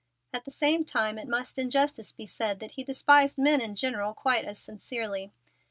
At the same time it must in justice be said that he despised men in general quite as sincerely.